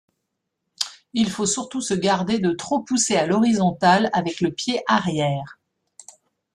Il faut surtout se garder de trop pousser à l'horizontale avec le pied arrière.